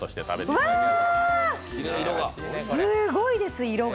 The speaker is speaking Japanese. うわぁ、すごいです、色が。